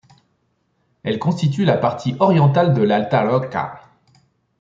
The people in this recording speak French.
Elle constitue la partie orientale de l'Alta Rocca.